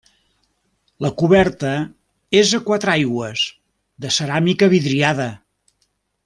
La coberta és a quatre aigües, de ceràmica vidriada.